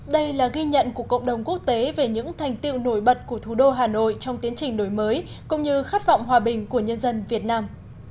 đây là ghi nhận của cộng đồng quốc tế về những thành tiệu nổi bật của thủ đô hà nội trong tiến trình đổi mới cũng như khát vọng hòa bình của nhân dân việt nam